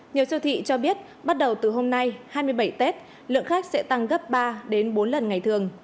nhiều siêu thị cho biết bắt đầu từ hôm nay hai mươi bảy tết lượng khách sẽ tăng gấp ba bốn lần ngày thường